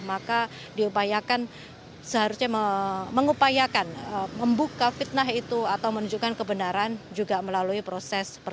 maka diupayakan seharusnya mengupayakan membuka fitnah itu atau menunjukkan kebenaran juga melalui proses persidangan